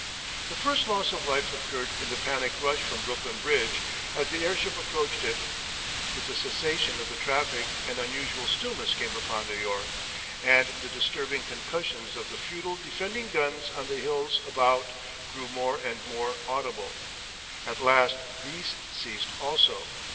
The first loss of life occurred in the panic rush from Brooklyn Bridge as the airship approached it. With the cessation of the traffic an unusual stillness came upon New York, and the disturbing concussions of the futile defending guns on the hills about grew more and more audible. At last these ceased also.